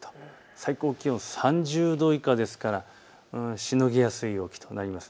最高気温３０度以下ですからしのぎやすい陽気となります。